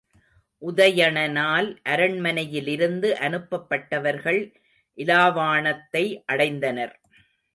உதயணனால் அரண்மனையிலிருந்து அனுப்பப்பட்டவர்கள் இலாவாணத்தை அடைந்தனர்.